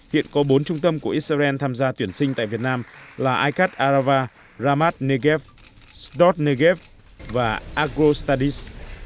hiện có bốn trung tâm của israel tham gia tuyển sinh tại việt nam là icat arava ramat negev sdot negev và agro studies